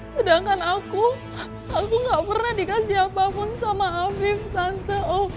sedangkan aku aku gak pernah dikasih apapun sama abrim tante